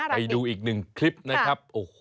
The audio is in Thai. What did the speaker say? ไปดูอีกหนึ่งคลิปนะครับ